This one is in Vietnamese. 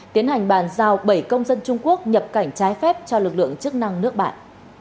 tiến hành bàn giao bảy công dân trung quốc nhập cảnh trái phép cho lực lượng chức năng nước bạn